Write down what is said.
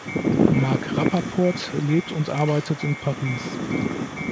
Mark Rappaport lebt und arbeitet in Paris.